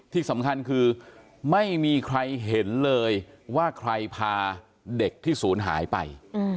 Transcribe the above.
ที่สำคัญคือไม่มีใครเห็นเลยว่าใครพาเด็กที่ศูนย์หายไป